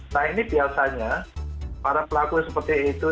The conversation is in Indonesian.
nah ini biasanya para pelaku seperti itu